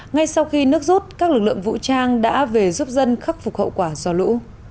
ngay sau khi nước rút các lực lượng vũ trang đã về giúp dân khắc phục hậu quả do lũ